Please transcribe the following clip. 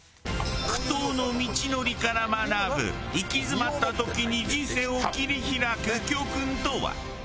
苦闘の道のりから学ぶ行き詰まった時に人生を切り開く教訓とは？